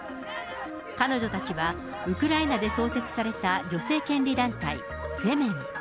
彼女たちはウクライナで創設された女性権利団体、フェメン。